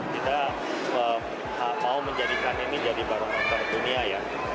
kita mau menjadikan ini jadi barang barang dunia ya